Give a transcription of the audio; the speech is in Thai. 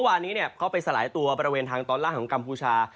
วันนี้เขาไปสลายตัวบริเวณทางตอนล่างของกัมพูชา